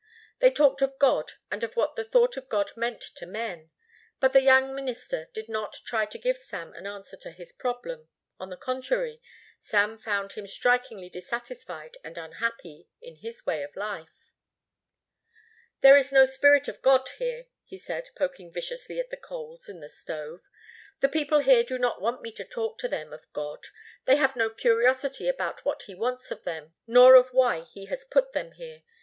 They talked of God and of what the thought of God meant to men; but the young minister did not try to give Sam an answer to his problem; on the contrary, Sam found him strikingly dissatisfied and unhappy in his way of life. "There is no spirit of God here," he said, poking viciously at the coals in the stove. "The people here do not want me to talk to them of God. They have no curiosity about what He wants of them nor of why He has put them here.